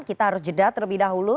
kita harus jeda terlebih dahulu